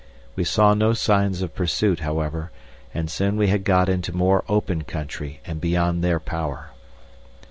We saw no sign of pursuit, however, and soon we had got into more open country and beyond their power.